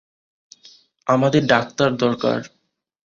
আমাদের ডাক্তার দরকার।